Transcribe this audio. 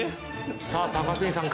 さあ高杉さん